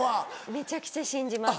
めちゃくちゃ信じます。